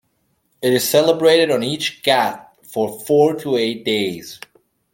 It is celebrated on each ghat for four to eight days.